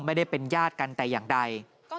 ไม่ได้เป็นญาติกันแต่อย่างใด